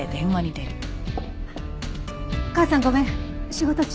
母さんごめん仕事中。